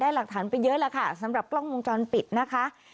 หลักฐานไปเยอะแล้วค่ะสำหรับกล้องวงจรปิดนะคะ